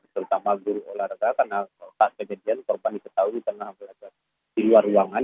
terutama guru olahraga karena saat kejadian korban diketahui tengah berada di luar ruangan